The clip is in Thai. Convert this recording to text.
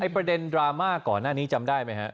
ประเด็นดราม่าก่อนหน้านี้จำได้ไหมฮะ